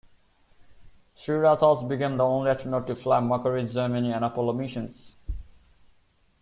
Schirra thus became the only astronaut to fly Mercury, Gemini and Apollo missions.